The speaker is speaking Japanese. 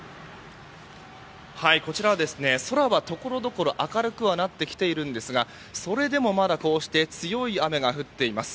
こちらは空はところどころ明るくはなってきているんですがそれでもまだこうして強い雨が降っています。